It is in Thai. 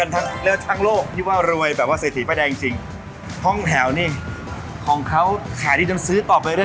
ทั้งเรือทั้งโลกนี่ว่ารวยแบบะเศรษฐีปะแดงจริงห้องแถวนี่ทรงเค้าแขนที่จะมันซื้อต่อไปเร็ว